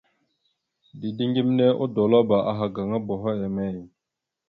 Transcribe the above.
Dideŋ geme odolabáaha gaŋa boho emey ?